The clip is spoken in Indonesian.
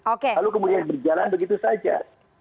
lalu kemudian berjalan begitu saja